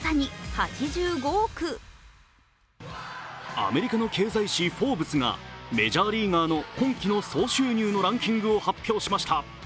アメリカの経済誌「フォーブス」がメジャーリーガーの今季の総収入のランキングを発表しました。